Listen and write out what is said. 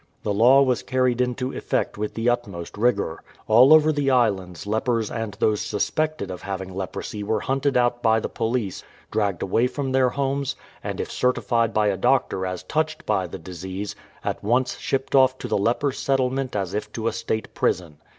The law was carried into effect with the utmost rigour. All over the islands lepers and those suspected of having leprosy were hunted out by the police, dragged away from their homes, and if certified by a doctor as touched by the disease, at once shipped off to the leper settlement as if to a State prison.